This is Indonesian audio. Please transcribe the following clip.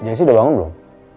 jesse udah bangun belum